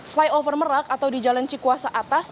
flyover merak atau di jalan cikuasa atas